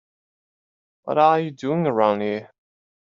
What are you doing around here?